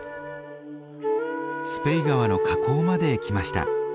スペイ川の河口まで来ました。